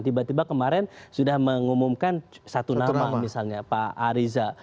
tiba tiba kemarin sudah mengumumkan satu nama misalnya pak ariza